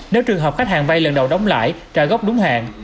nếu trường hợp khách hàng vay lần đầu đóng lại trả gốc đúng hạn